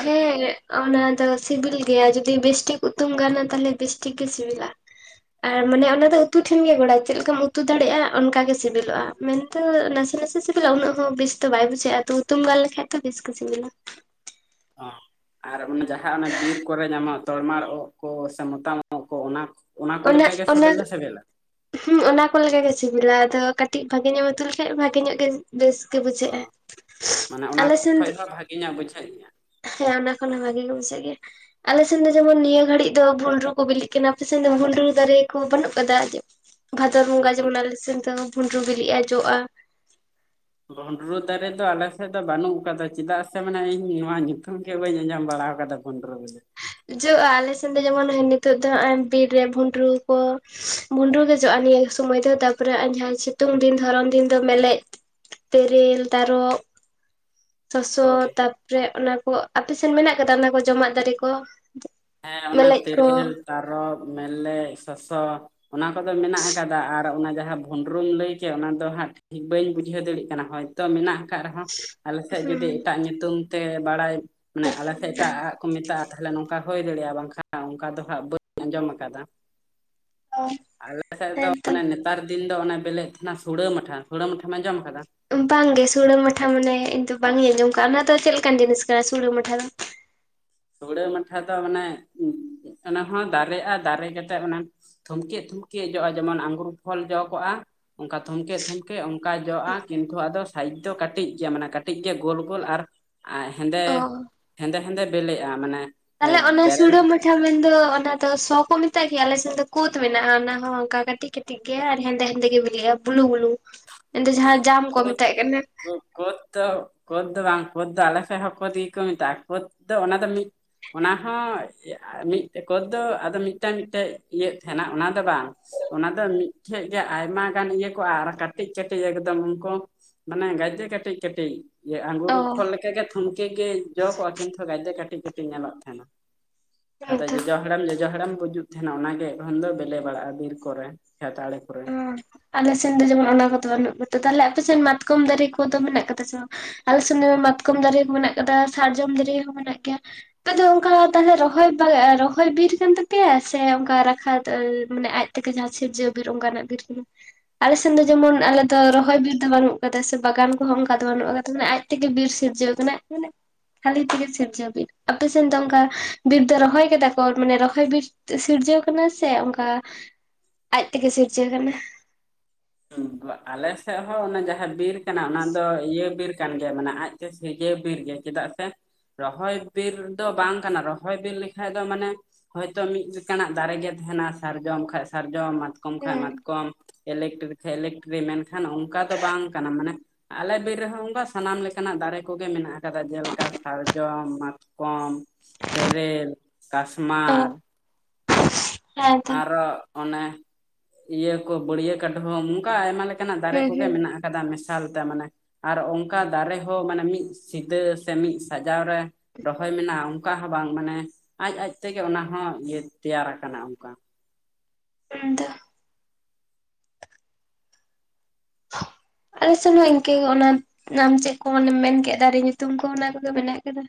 ᱦᱮᱸ ᱚᱱᱟ ᱫᱚ ᱥᱤᱵᱤᱞ ᱜᱮᱭᱟ ᱡᱩᱫᱤ ᱵᱮᱥᱴᱷᱤᱠ ᱩᱛᱩᱢ ᱜᱟᱱᱟ ᱛᱟᱦᱚᱞᱮ ᱵᱮᱥᱴᱷᱤᱠ ᱜᱮ ᱥᱤᱵᱤᱞᱟ ᱟᱨ ᱢᱟᱱᱮ ᱚᱱᱟ ᱫᱚ ᱩᱛᱩ ᱴᱷᱮᱱ ᱜᱮ ᱜᱚᱲᱟ ᱪᱮᱫ ᱞᱮᱠᱟᱢ ᱩᱛᱩ ᱫᱟᱲᱮᱭᱟᱜᱼᱟ ᱚᱱᱠᱟ ᱜᱮ ᱥᱮᱵᱮᱞᱚᱜᱼᱟ᱾ ᱢᱮᱱ ᱫᱚ ᱱᱟᱥᱮ ᱱᱟᱥᱮ ᱥᱮᱵᱮᱞᱟ ᱩᱱᱟᱹᱜ ᱦᱚᱸ ᱵᱮᱥ ᱫᱚ ᱵᱟᱭ ᱵᱩᱡᱷᱟᱹᱜᱼᱟ, ᱛᱚ ᱩᱛᱩᱢ ᱜᱟᱱ ᱞᱮᱠᱷᱟᱡ ᱛᱷᱚ ᱵᱮᱥ ᱜᱮ ᱥᱤᱵᱤᱞᱟ᱾ ᱚ ᱟᱨ ᱚᱱᱟ ᱡᱟᱦᱟᱸ ᱚᱱᱮ ᱵᱤᱨ ᱠᱚᱨᱮ ᱧᱟᱢᱚᱜ ᱫᱚ ᱛᱚᱨᱢᱟᱲ ᱳᱜ ᱠᱚ ᱥᱮ ᱢᱚᱛᱟᱢ ᱳᱜ ᱠᱚ ᱚᱱᱟ ᱚᱱᱟ ᱠᱚ ᱚᱱᱟᱜ ᱞᱮᱠᱟᱜᱮ ᱚᱱᱟᱜ ᱥᱤᱵᱤᱞ ᱫᱚ ᱥᱤᱵᱤᱞᱟ ᱦᱩᱸ ᱚᱱᱟ ᱠᱚ ᱞᱮᱠᱟ ᱜᱮ ᱥᱤᱵᱤᱞᱟ ᱟᱫᱚ ᱠᱟᱹᱴᱤᱡ ᱵᱷᱟᱜᱮᱧᱚᱜ ᱮᱢ ᱩᱛᱩ ᱞᱮᱠᱷᱟᱡ ᱵᱷᱟᱜᱮ ᱧᱚᱜ ᱜᱮ ᱵᱮᱥ ᱜᱮ ᱚ ᱵᱩᱡᱷᱟᱹᱜᱼᱟ ᱢᱟᱱᱮ ᱚᱱᱟ ᱟᱞᱮ ᱥᱮᱱ ᱠᱷᱚᱡ ᱫᱚ ᱦᱚᱸ ᱵᱷᱟᱜᱮ ᱧᱚᱜ ᱵᱩᱡᱷᱟᱹᱜ ᱜᱮᱭᱟ ᱦᱮᱸ ᱚᱱᱟ ᱠᱷᱚᱱ ᱦᱚᱸ ᱵᱷᱟᱜᱮ ᱜᱮ ᱵᱩᱡᱷᱟᱹᱜ ᱜᱮᱭᱟ ᱟᱞᱮ ᱥᱮᱱ ᱫᱚ ᱡᱮᱢᱚᱱ ᱱᱤᱭᱟᱹ ᱜᱷᱟᱹᱲᱤᱡ ᱫᱚ ᱵᱷᱩᱱᱰᱨᱩ ᱠᱚ ᱵᱤᱞᱤᱜ ᱠᱟᱱᱟ ᱫᱚ ᱵᱷᱩᱸᱰᱨᱩ ᱫᱟᱨᱮ ᱠᱚ ᱵᱟᱹᱱᱩᱜ ᱠᱟᱫᱟ ᱵᱷᱟᱫᱚᱨ ᱵᱚᱸᱜᱟ ᱡᱮᱢᱚᱱ ᱟᱞᱮ ᱥᱮᱱ ᱫᱚ, ᱵᱷᱩᱸᱰᱨᱩ ᱵᱤᱞᱤᱜᱼᱟ ᱡᱚᱜᱼᱟ ᱵᱷᱳᱸᱰᱨᱳ ᱫᱟᱨᱮ ᱫᱚ ᱟᱞᱮ ᱥᱮᱫ ᱫᱚ ᱵᱟᱹᱱᱩᱜ ᱠᱟᱫᱟ ᱪᱮᱫᱟᱜ ᱥᱮ ᱢᱟᱱᱮ ᱤᱧ ᱱᱚᱣᱟ ᱧᱩᱛᱩᱢ ᱜᱮ ᱵᱟᱹᱧ ᱟᱸᱡᱚᱢ ᱵᱟᱲᱟᱣ ᱠᱟᱫᱟ᱾ ᱵᱷᱳᱸᱰᱨᱳ ᱵᱮᱞᱮ ᱡᱚᱜᱼᱟ ᱟᱞᱮ ᱥᱮᱱ ᱫᱚ ᱡᱮᱢᱚᱱ ᱱᱤᱛᱚᱜ ᱫᱚ ᱦᱟᱸᱜᱼᱟᱭ ᱵᱤᱨ ᱨᱮ ᱵᱷᱩᱸᱰᱨᱩ ᱠᱚ ᱵᱷᱩᱸᱰᱨᱩ ᱜᱮ ᱡᱚᱜᱼᱟ ᱱᱤᱭᱟᱹ ᱥᱚᱢᱚᱭ ᱫᱚ ᱛᱟᱨ ᱯᱚᱨᱮ ᱦᱟᱸᱜᱼᱟᱭ ᱡᱟᱦᱟᱸ ᱥᱤᱛᱩᱝ ᱫᱤᱱ ᱫᱷᱚᱨᱚᱱ ᱫᱤᱱ ᱫᱚ ᱢᱮᱞᱮᱡ ᱛᱮᱨᱮᱞ ᱛᱟᱨᱚᱵ ᱥᱚᱥᱚ ᱦᱳᱭ ᱛᱟᱯᱚᱨᱮ ᱚᱱᱟ ᱠᱚ ᱟᱯᱮ ᱥᱮᱱ ᱢᱮᱱᱟᱜ ᱠᱟᱫᱟ ᱚᱱᱟ ᱠᱚ ᱡᱚᱢᱟᱜ ᱫᱟᱨᱮ ᱠᱚ ᱦᱮᱸ ᱚᱱᱟ ᱢᱮᱞᱮᱡ ᱠᱚ ᱛᱮᱨᱮᱞ, ᱛᱟᱨᱚᱵ, ᱢᱮᱞᱮᱡ, ᱥᱚᱥᱚ, ᱚᱱᱟ ᱠᱚᱫᱚ ᱢᱮᱱᱟᱜ ᱟᱠᱟᱫᱟ ᱟᱨ ᱚᱱᱟ ᱡᱟᱦᱟᱸ ᱵᱷᱳᱸᱰᱨᱳᱢ ᱞᱟᱹᱭ ᱠᱮᱫ ᱚᱱᱟ ᱫᱚ ᱦᱟᱸᱜ ᱴᱷᱤᱠ ᱵᱟᱹᱧ ᱵᱩᱡᱷᱟᱹᱣ ᱫᱟᱲᱤᱜ ᱠᱟᱱᱟ ᱦᱳᱭ ᱛᱚ ᱢᱮᱱᱟᱜ ᱟᱠᱟᱫ ᱨᱮᱦᱚᱸ ᱟᱞᱮ ᱥᱮᱫ ᱦᱩᱸ ᱡᱩᱫᱤ ᱮᱴᱟᱜ ᱧᱩᱛᱩᱢ ᱛᱮ ᱵᱟᱲᱟᱭ ᱢᱟᱱᱮ ᱟᱞᱮ ᱥᱮᱫ ᱮᱴᱟᱜ ᱠᱚ ᱢᱮᱛᱟᱜᱼᱟ ᱛᱟᱦᱚᱞᱮ ᱱᱚᱝᱠᱟ ᱦᱳᱭ ᱫᱟᱲᱮᱭᱟᱜᱼᱟ ᱵᱟᱝᱠᱷᱟᱱ ᱚᱱᱠᱟ ᱫᱚ ᱦᱟᱸᱜ ᱵᱟᱹᱧ ᱟᱸᱡᱚᱢ ᱠᱟᱫᱟ᱾ ᱟᱞᱮ ᱥᱮᱫ ᱫᱚ ᱦᱮᱸᱛᱚ ᱚᱱᱮ ᱱᱮᱛᱟᱨ ᱫᱤᱱ ᱫᱚ ᱵᱮᱞᱮᱜ ᱛᱟᱦᱮᱱᱟ ᱥᱩᱲᱟᱹ ᱢᱟᱴᱷᱟ ᱥᱩᱲᱟᱹ ᱢᱟᱴᱷᱟᱢ ᱟᱸᱡᱚᱢ ᱠᱟᱫᱟ ᱵᱟᱝᱜᱮ ᱥᱩᱲᱮ ᱢᱟᱴᱷᱟ ᱢᱟᱱᱮ ᱤᱧ ᱫᱚ ᱵᱟᱝ ᱤᱧ ᱟᱸᱡᱚᱢ ᱠᱟᱜᱼᱟ ᱚᱱᱟ ᱫᱚ ᱪᱮᱫ ᱞᱮᱠᱟᱱ ᱡᱤᱱᱤᱥ ᱠᱟᱱᱟ ᱥᱩᱲᱟᱹ ᱢᱟᱴᱷᱟ ᱫᱚ ᱦᱩᱲᱟᱹ ᱢᱟᱴᱷᱟ ᱫᱚ ᱢᱟᱱᱮ ᱚᱱᱟ ᱦᱚᱸ ᱫᱟᱨᱮᱜᱼᱟ ᱫᱟᱨᱮ ᱠᱟᱛᱮᱫ ᱚᱱᱟ ᱛᱷᱩᱢᱠᱮᱜ ᱛᱷᱩᱢᱠᱮᱜ ᱡᱚᱜᱼᱟ ᱡᱮᱢᱚᱱ ᱟᱝᱜᱩᱨ ᱯᱷᱚᱞ ᱡᱚ ᱠᱚᱜᱼᱟ ᱚᱱᱠᱟ ᱛᱷᱢᱠᱮᱜ ᱛᱷᱢᱠᱮᱜ ᱚᱝ ᱠᱟ ᱡᱚᱜᱼᱟ ᱠᱤᱱᱛᱩ ᱟᱫᱚ ᱥᱟᱭᱤᱡᱽ ᱫᱚ ᱠᱟᱹᱴᱤᱡ ᱜᱮᱭᱟ ᱢᱟᱱᱮ ᱠᱟᱹᱴᱤᱡ ᱜᱮ ᱜᱳᱞ ᱜᱳᱞ ᱟᱨ [unintelligible] ᱦᱮᱸᱫᱮᱻᱦᱮᱸᱫᱮ ᱚ ᱦᱮᱸᱫᱮ ᱵᱤᱞᱮᱜᱼᱟ ᱢᱟᱱᱮ ᱛᱟᱦᱞᱮ ᱚᱱᱟ ᱵᱮᱨᱮᱞ ᱥᱩᱲᱟᱹ ᱢᱟ ᱢᱟᱦᱟᱸ ᱢᱮᱱᱫᱚ ᱚᱱᱟ ᱫᱚ ᱥᱚ ᱠᱚ ᱢᱮᱛᱟᱜ ᱜᱮᱭᱟ ᱟᱞᱮᱥᱱ ᱫᱚ ᱠᱳᱛ ᱢᱮᱱᱟᱜᱼᱟ ᱚᱱᱟᱦᱚᱸ ᱚᱱᱠᱟ ᱠᱟᱹᱴᱤᱡ ᱠᱟᱹᱴᱤᱡ᱾ ᱠᱟᱴᱤᱡ ᱜᱮᱭᱟ ᱟᱨ ᱦᱮᱸᱫᱮ ᱦᱮᱸᱫᱮ ᱜᱮ ᱢᱤᱞᱤᱜᱼᱟ ᱵᱩᱞᱩ ᱵᱩᱞᱩ [inaudible] ᱟᱫᱚ ᱡᱟᱦᱟᱸ ᱡᱟᱢ ᱠᱚ ᱢᱮᱛᱟᱜ ᱠᱟᱱᱟ ᱠᱳᱛ ᱫᱚ ᱠᱳᱫᱽ ᱫᱚ ᱵᱟᱝ ᱠᱳᱫᱽ ᱫᱚ ᱟᱞᱮ ᱥᱮᱜ ᱦᱚᱸ ᱠᱚ ᱫᱤ ᱠᱚ ᱢᱮᱛᱟᱜᱼᱟ ᱠᱳᱛ ᱫᱚ ᱚᱱᱟ ᱫᱚ ᱢᱤᱫ ᱚᱱᱟᱦᱚᱸ ᱢᱤᱫ ᱴᱮᱜ ᱠᱳᱛ ᱫᱚ ᱟᱫᱚ ᱢᱤᱫᱴᱟᱝ ᱢᱤᱫᱴᱮᱡ ᱤᱭᱟ. ᱛᱟᱦᱮᱱᱟ ᱚᱱᱟ ᱫᱚ ᱵᱟᱝ ᱚᱱᱟ ᱫᱚ ᱢᱤᱫᱴᱷᱮᱱ ᱜᱮ ᱟᱭᱢᱟ ᱜᱟᱱ ᱤᱭᱟᱹ ᱠᱚᱜᱼᱟ ᱟᱨ ᱠᱟᱹᱴᱤᱡ ᱠᱟᱹᱴᱤᱡ ᱮᱠᱫᱚᱢ ᱩᱱᱠᱩ ᱢᱟᱱᱮ ᱜᱟᱡᱮ ᱠᱟᱹᱴᱤᱡ ᱠᱟᱹᱴᱤᱡ᱾ ᱤᱭᱟᱹ ᱟᱝᱜᱩᱨ ᱚ ᱯᱷᱚᱞ ᱞᱮᱠᱟᱜᱮ ᱛᱷᱩᱢᱠᱮ ᱜᱮ ᱡᱚ ᱠᱚᱜᱼᱟ ᱠᱤᱱᱛᱩ ᱜᱟᱡ ᱫᱚ ᱠᱟᱹᱴᱤᱡ ᱠᱟᱹᱴᱤᱡ ᱧᱮᱞᱚᱜ ᱛᱟᱦᱮᱱᱟ᱾ ᱟᱫᱚ ᱦᱮᱸᱛᱚ ᱡᱚᱡᱚ ᱦᱟᱲᱟᱢ ᱡᱚᱡᱚ ᱦᱟᱲᱟᱢ ᱜᱩᱡᱩᱜ ᱡᱟᱦᱱᱟᱜ ᱚᱱᱟᱜᱮ ᱮᱠᱷᱚᱱ ᱫᱚ ᱵᱮᱞᱮ ᱵᱟᱲᱟᱜᱼᱟ ᱵᱤᱨ ᱠᱚᱨᱮ ᱠᱷᱮᱛ ᱟᱲᱮ ᱠᱚᱨᱮ᱾ ᱟᱞᱮᱥᱮᱱ ᱫᱚ ᱡᱮᱢᱚᱱ ᱚᱱᱟ ᱠᱚᱫᱚ ᱵᱟᱹᱱᱩᱜ ᱠᱚᱫᱟ ᱛᱟᱦᱞᱮ ᱟᱯᱮᱥᱮᱱ ᱢᱟᱛᱠᱚᱢ ᱫᱟᱨᱮ ᱠᱚᱫᱚ ᱢᱮᱱᱟᱜ ᱠᱟᱫᱟ ᱥᱮ ᱵᱟᱝ ᱟᱞᱮ ᱫᱚᱢᱮ ᱢᱟᱛᱠᱚᱢ ᱫᱟᱨᱮ ᱦᱚᱸ ᱢᱮᱱᱟᱜ ᱟᱠᱟᱫᱟ ᱥᱟᱨᱡᱚᱢ ᱫᱟᱨᱮ ᱦᱚᱸ ᱢᱮᱱᱟᱜ ᱜᱮᱭᱟ ᱟᱯᱮ ᱫᱚ ᱚᱱᱠᱟ ᱛᱟᱦᱚᱞᱮ ᱨᱚᱦ ᱨᱚᱦᱚᱭ ᱵᱤᱨ ᱠᱟᱱ ᱛᱟᱯᱮᱭᱟ ᱥᱮ ᱚᱱᱠᱟ ᱨᱟᱠᱷᱟ ᱢᱟᱱᱮ ᱟᱡ ᱛᱮᱜᱮ ᱡᱟᱦᱟᱸ ᱥᱤᱨᱡᱟᱹᱣ ᱵᱤᱨ ᱚᱱᱠᱟᱱᱟᱜ ᱵᱤᱨ ᱠᱟᱱᱟ᱾ ᱟᱞᱮᱥᱮᱱ ᱫᱚ ᱡᱮᱢᱚᱱ ᱟᱞᱮ ᱫᱚ ᱨᱚᱦᱚᱭ ᱵᱤᱨ ᱫᱚ ᱵᱟᱹᱱᱩᱜ ᱟᱠᱟᱫᱟ ᱥᱮ ᱵᱟᱜᱟᱱ ᱠᱚᱦᱚᱸ ᱚᱱᱠᱟ ᱫᱚ ᱵᱟᱹᱱᱩᱜ ᱟᱠᱟᱫᱟ ᱢᱟᱱᱮ ᱟᱡ ᱛᱮᱜᱮ ᱵᱤᱨ ᱥᱤᱨᱡᱟᱹᱣ ᱠᱟᱱᱟ ᱢᱟᱱᱮ ᱠᱷᱟᱹᱞᱤ ᱛᱮᱜᱮ ᱥᱤᱨᱡᱟᱹᱣ ᱵᱤᱨ ᱟᱯᱮ ᱥᱮᱱ ᱫᱚᱝᱠᱟ ᱵᱤᱛ ᱫᱚ ᱨᱚᱦᱚᱭ ᱠᱟᱫᱟ ᱠᱚ ᱢᱟᱱᱮ ᱨᱚᱦᱚᱭ ᱵᱤᱨ ᱛᱮᱜ ᱥᱤᱨᱡᱟᱹᱣ ᱠᱟᱱᱟ ᱥᱮ ᱚᱱᱠᱟ ᱟᱡ ᱛᱮᱜᱮ ᱥᱤᱨᱡᱟᱹ ᱠᱟᱱᱟ ᱟᱞᱮᱥᱮᱫ ᱦᱚᱸ ᱚᱱᱟ ᱡᱟᱦᱟᱸ ᱵᱤᱨ ᱠᱟᱱᱟ ᱚᱱᱟ ᱫᱚ ᱤᱭᱟᱹ ᱵᱤᱨ ᱠᱟᱱ ᱜᱮᱭᱟ ᱢᱟᱱᱮ ᱟᱡ ᱛᱮ [unintelligible] ᱪᱮᱫᱟᱜ ᱥᱮ ᱨᱚᱦᱚᱭ ᱵᱤᱨ ᱫᱚ ᱵᱟᱝ ᱠᱟᱱᱟ ᱨᱚᱦᱚᱭ ᱵᱤᱨ ᱞᱮᱠᱟᱡ ᱫᱚ ᱢᱟᱱᱮ ᱦᱳᱭᱛᱳ ᱢᱤᱫ ᱞᱮᱠᱟᱱᱟᱜ ᱫᱟᱨᱮ ᱜᱮ ᱛᱟᱦᱮᱱᱟ ᱥᱟᱨᱡᱚᱢ ᱠᱷᱟᱱ ᱥᱟᱨᱡᱚᱢᱟ᱾ ᱠᱚᱢ ᱠᱷᱟᱡ ᱦᱮᱸ ᱢᱟᱛᱠᱚᱢ ᱠᱷᱟᱱ ᱢᱟᱛᱠᱚᱢ ᱤᱞᱮᱠᱴᱨᱤᱠ ᱠᱷᱟᱱ ᱤᱞᱮᱠᱴᱨᱤᱠ ᱢᱮᱱᱠᱷᱟᱱ ᱚᱱᱠᱟ ᱫᱚ ᱵᱟᱝ ᱠᱟᱱᱟ ᱢᱟᱱᱮ ᱟᱞᱮ ᱵᱤᱨ ᱨᱮᱦᱚᱸ ᱚᱱᱠᱟ ᱥᱟᱱᱟᱢ ᱞᱮᱠᱟᱱᱟᱜ ᱫᱟᱨᱮ ᱠᱚᱜᱮ ᱢᱮᱱᱟᱜ ᱟᱠᱟᱫᱟ ᱡᱮᱞᱮᱠᱟ ᱥᱟᱨᱡᱚᱢ, ᱢᱟᱛ ᱠᱚᱢ ᱛᱮᱨᱮᱞ ᱚ ᱠᱟᱥᱢᱟᱨ [unintelligible] ᱟᱨᱚ ᱚᱱᱮ ᱤᱭᱟᱹ ᱠᱚ ᱵᱟᱹᱲᱭᱟᱹ ᱠᱟᱰᱷᱩᱢ ᱦᱚᱸ ᱱᱚᱝᱠᱟ ᱟᱭᱢᱟ ᱞᱮᱠᱟ ᱱᱟᱜ ᱫᱟᱨᱮ ᱦᱩᱸ ᱠᱚᱜᱮ ᱦᱩᱸ ᱢᱮᱱᱟᱜ-ᱟ ᱟᱠᱟᱫᱟ ᱢᱮᱥᱟᱞ ᱛᱮ ᱢᱟᱱᱮ ᱟᱨ ᱚᱱᱠᱟ ᱫᱟᱨᱮ ᱦᱚᱸ ᱢᱟᱱᱮ ᱢᱤᱫ ᱥᱤᱫᱟᱹ ᱥᱮ ᱢᱤᱫ ᱥᱟᱡᱟᱣ ᱨᱮ ᱨᱚᱦᱚᱭ ᱢᱮᱱᱟᱜᱼᱟ ᱚᱱᱠᱟ ᱦᱚᱸ ᱵᱟᱝ ᱢᱟᱱᱮ ᱟᱡ ᱟᱡ ᱛᱮᱜᱮ ᱚᱱᱟ ᱦᱚᱸ ᱤᱭᱟᱹ ᱛᱮᱭᱟᱨ ᱟᱠᱟᱱᱟ᱾ ᱚᱠᱟ ᱦᱩᱸ ᱛᱚ ᱟᱞᱮ ᱥᱮᱱ ᱦᱚᱸ ᱤᱱᱠᱟᱹ ᱚᱱᱟ ᱟᱢ ᱪᱮᱫ ᱠᱚ ᱠᱚᱢ ᱢᱮᱱ ᱠᱮᱫ ᱫᱟᱨᱮ ᱧᱩᱛᱩᱢ ᱠᱚ ᱚᱱᱟ ᱠᱚᱜᱮ ᱢᱮᱱᱟᱜ ᱟᱠᱟᱫᱟ᱾